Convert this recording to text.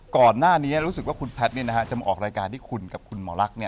ก่อนหน้านี้รู้สึกว่าคุณแพทย์จะมาออกรายการที่คุณกับคุณหมอลักษณ์